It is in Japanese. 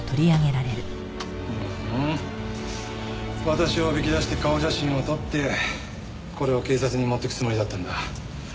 私をおびき出して顔写真を撮ってこれを警察に持っていくつもりだったんだ。